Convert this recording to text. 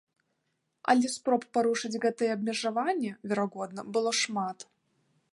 Але спроб парушыць гэтае абмежаванне, верагодна, было шмат.